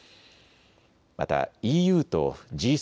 またＥＵとＧ７